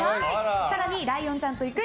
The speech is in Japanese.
更に、ライオンちゃんと行く！